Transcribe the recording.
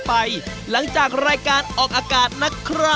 อบจมหาสนุก